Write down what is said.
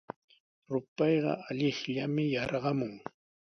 Rupayqa allaqllami yarqamun.